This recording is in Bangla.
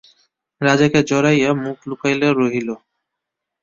রাজাকে জড়াইয়া মুখ লুকাইয়া রহিল।